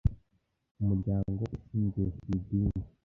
Umuryango ushingiye ku idini